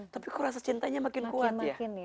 tapi kok rasa cintanya makin kuat